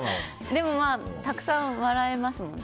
でも、たくさん笑えますもんね。